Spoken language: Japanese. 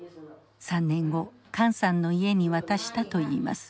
３年後管さんの家に渡したといいます。